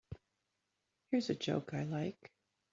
Here's a joke I like.